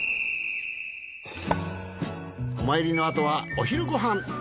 お参りのあとはお昼ごはん。